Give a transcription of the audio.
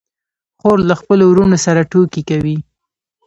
خور له خپلو وروڼو سره ټوکې کوي.